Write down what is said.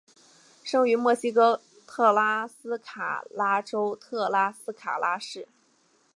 生于墨西哥特拉斯卡拉州特拉斯卡拉市。